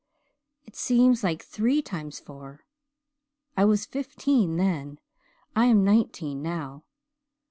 It seems like three times four. I was fifteen then. I am nineteen now.